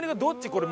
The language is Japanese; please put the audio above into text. これ。